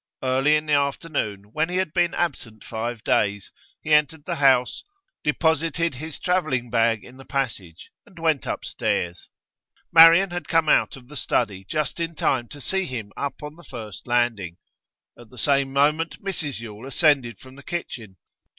Early in the afternoon, when he had been absent five days, he entered the house, deposited his travelling bag in the passage, and went upstairs. Marian had come out of the study just in time to see him up on the first landing; at the same moment Mrs Yule ascended from the kitchen.